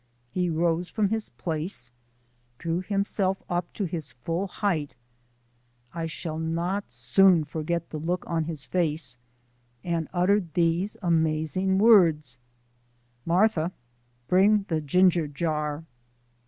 He rose from his place, drew himself up to his full height I shall not soon forget the look on his face and uttered these amazing words: "Martha, bring the ginger jar."